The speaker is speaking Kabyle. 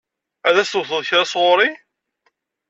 Ad as-tewteḍ kra sɣur-i?